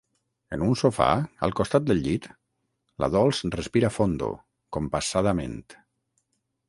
En un sofà, al costat del llit, la Dols respira fondo, compassadament.